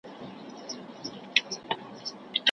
ملالۍ مي سي ترسترګو ګل یې ایښی پر ګرېوان دی